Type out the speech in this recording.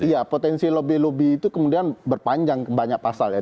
iya potensi lobby lobby itu kemudian berpanjang banyak pasal ya